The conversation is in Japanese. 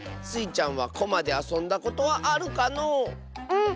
スイちゃんはコマであそんだことはあるかのう？